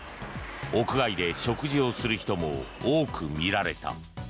屋外で食事をする人も多く見られた。